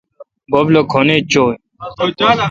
بب لو کھن ایچ چویہ۔